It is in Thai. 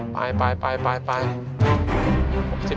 ไปไปไปไปไป